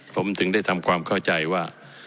ผมถึงได้ทำความเข้าใจว่า